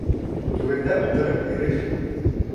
Түрендә ултырып иреш